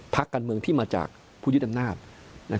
ภักดิ์การเมืองที่มาจากผู้ยึดอำนาจนะครับ